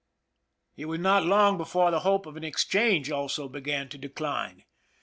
It was not long before the hope of an exchange also began to decline.